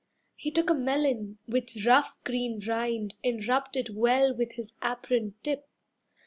He took a melon with rough green rind And rubbed it well with his apron tip.